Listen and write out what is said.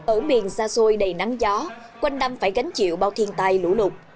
ở miền xa xôi đầy nắng gió quanh đâm phải gánh chịu bao thiên tai lũ lục